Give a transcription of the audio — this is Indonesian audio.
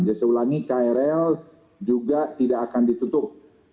saya ulangi krl juga tidak akan ditutup